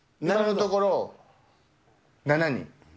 今のところ７人。